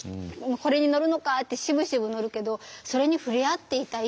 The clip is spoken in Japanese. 「これに乗るのか」ってしぶしぶ乗るけどそれに触れ合っていたい